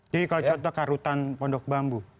jadi kalau contoh karutan pondok bambu